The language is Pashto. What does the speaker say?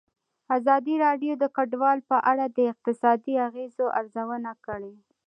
ازادي راډیو د کډوال په اړه د اقتصادي اغېزو ارزونه کړې.